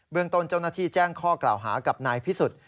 เรื่องต้นเจ้าหน้าที่แจ้งข้อกล่าวหากับนายพิสุทธิ์